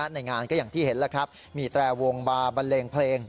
ในงานก็อย่างที่เห็นมีแตรวงบาบันเลงเพลง